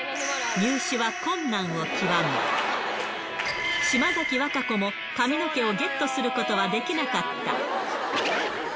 入手は困難をきわめ、島崎和歌子も髪の毛をゲットすることはできなかった。